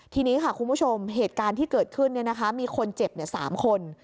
ทีนี้ค่ะคุณผู้ชมเหตุการณ์ที่เกิดขึ้นมีคนเจ็บ๓คน